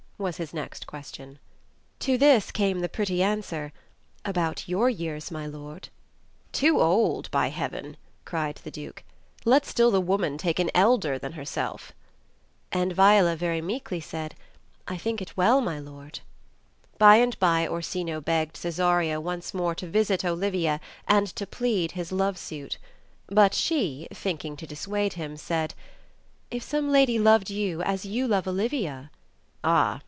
was his next question. To this came the pretty answer, "About your years, my lord. "Too old, by Heaven!" cried the Duke. "Let still the woman take an elder than herself." ^ And Viola very meekly said, "I think it well, my lord." OUVTA AND MALVOUO. "He left thifl ring; behind him." 52 THE CHILDREN'S SHAKESPEARE. By and by Orsino begged Cesario once more to visit Olivia and to plead his love suit. But she, thinking to dissuade him, said — "If some lady loved you as you love Olivia?" "Ah